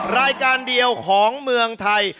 รายการเดียวของเมืองไทย